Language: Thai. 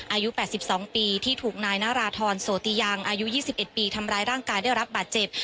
อายุ๘๒ปีที่ถูกนายนาราธรโสติยังอายุ๒๑ปีทำร้ายร่างกายได้รับบาดเจ็บ